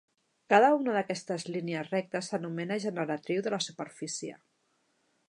Cada una d'aquestes línies rectes s'anomena generatriu de la superfície.